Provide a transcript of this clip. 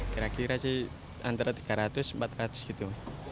kira kira sih antara tiga ratus empat ratus gitu